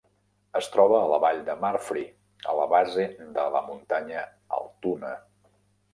Es troba a la vall de Murphree a la base de la muntanya Altoona.